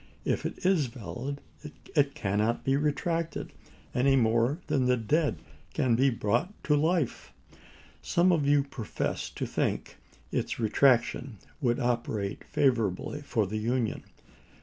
If it is valid it cannot be retracted, any more than the dead can be brought to life. Some of you profess to think its retraction would operate favorably for the Union.